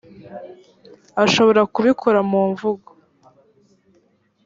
ashobora kubikora mu mvugo